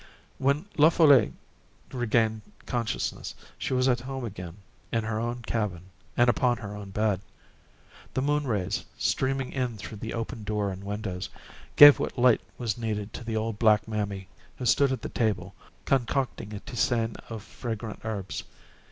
When La Folle regained consciousness, she was at home again, in her own cabin and upon her own bed. The moon rays, streaming in through the open door and windows, gave what light was needed to the old black mammy who stood at the table concocting a tisane of fragrant herbs.